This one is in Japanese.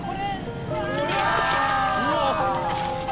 うわ！